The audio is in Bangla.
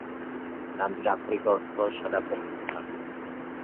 নামটির আক্ষরিক অর্থ সাদা কবরস্থান।